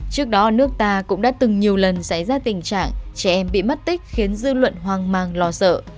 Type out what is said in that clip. trước đó nước ta cũng đã từng nhiều lần xảy ra tình trạng trẻ em bị mất tích khiến dư luận hoang mang lo sợ